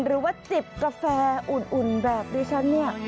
หรือว่าจิบกาแฟอุ่นแบบดิฉันเนี่ย